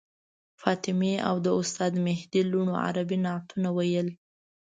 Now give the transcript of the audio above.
فاطمې او د استاد مهدي لوڼو عربي نعتونه ویل.